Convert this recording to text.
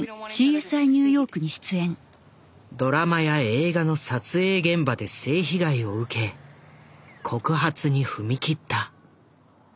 ドラマや映画の撮影現場で性被害を受け告発に踏み切った。